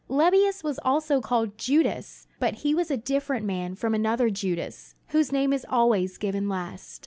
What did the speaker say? Lebbeus was also called Judas, but he was a different man from another Judas, whose name is always given last.